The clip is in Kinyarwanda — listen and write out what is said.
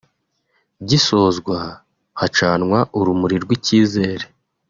gisozwa hacanwa urumuri rw’ikizere